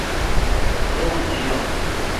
روغون فریو